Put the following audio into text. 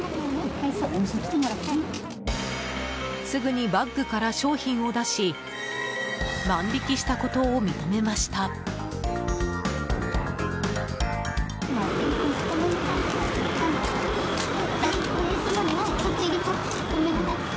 すぐにバッグから商品を出し万引きしたことを認めました。